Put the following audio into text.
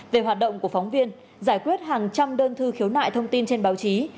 về hoạt động của phóng viên giải quyết hàng trăm đơn thư khiếu nại thông tin trên báo chí